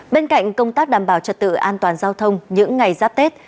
bên cạnh công tác đảm bảo trật tự an toàn giao thông những ngày giáp tết